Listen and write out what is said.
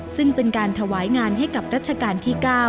ซึ่งเป็นการถวายงานให้กับรัชกาลที่๙